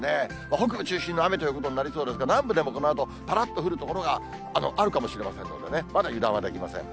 北部中心の雨ということになりそうですが、南部でもこのあと、ぱらっと降る所があるかもしれませんのでね、まだ油断はできません。